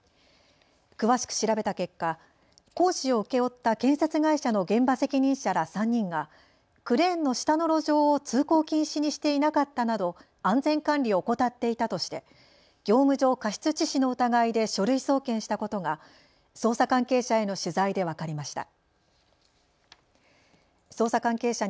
詳しく調べた結果、工事を請け負った建設会社の現場責任者ら３人がクレーンの下の路上を通行禁止にしていなかったなど安全管理を怠っていたとして業務上過失致死の疑いで書類送検したことが捜査関係者への取材で分かりました。